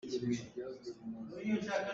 Nitlak lei ah an pem.